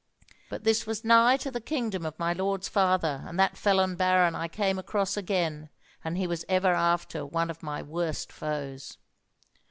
"But this was nigh to the kingdom of my lord's father, and that felon baron I came across again, and he was ever after one of my worst foes.